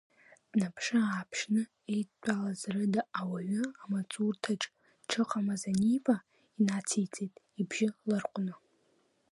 Днаԥшы-ааԥшны, еидтәалаз рыда уаҩы амаҵурҭаҿ дшыҟамыз аниба, инациҵеит, ибжьы ларҟәны…